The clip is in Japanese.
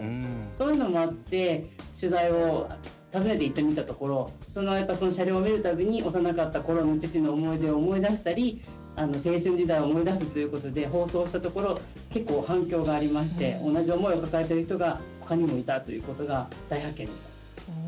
そういうのもあって取材を訪ねて行ったみたところその車両を見る度に幼かったころの父の思い出を思い出したり青春時代を思い出すということで放送したところ結構、反響がありまして同じ思いを抱えてる人が他にもいたということが大発見でした。